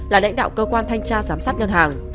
là lãnh đạo cơ quan thanh tra giám sát ngân hàng